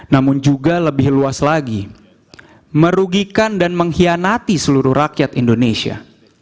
namun juga lebih luas lagi merugikan dan mengkhianati seluruh rakyat indonesia